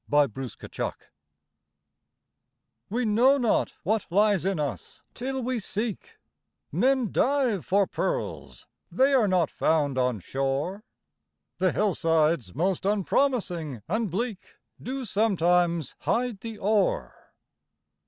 HIDDEN GEMS We know not what lies in us, till we seek; Men dive for pearls—they are not found on shore, The hillsides most unpromising and bleak Do sometimes hide the ore.